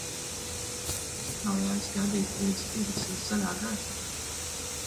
Nav jēgas gaidīt, līdz iedegsies zaļā gaisma.